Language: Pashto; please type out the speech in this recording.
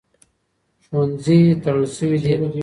ښوونځي تړل شوي دي.